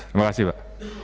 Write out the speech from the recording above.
terima kasih pak